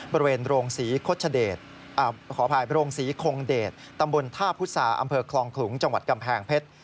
บริเวณโรงศรีขออภัยโรงศรีคงเดชตำบลท่าพุษาอำเภอคลองขลุงจังหวัดกำแพงเพชร